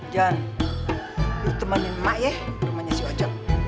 john lu temenin mak ya rumahnya si ojo